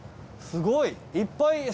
すごいいっぱい。